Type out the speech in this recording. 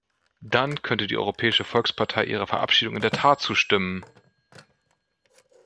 Dann könnte die Europäische Volkspartei ihrer Verabschiedung in der Tat zustimmen.